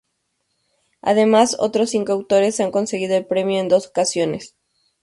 Además otros cinco autores han conseguido el premio en dos ocasiones.